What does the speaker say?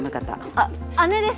あっ姉です。